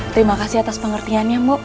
terima kasih atas pengertiannya bu